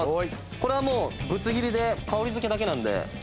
これはもうぶつ切りで香り付けだけなので。